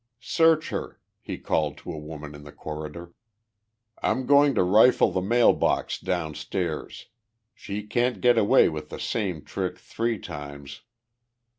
"Search her!" he called to a woman in the corridor. "I'm going to rifle the mail box downstairs. She can't get away with the same trick three times!"